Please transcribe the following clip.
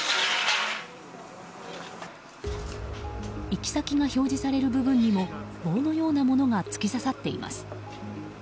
行き先が表示される部分にも棒のようなものが突き刺さっています。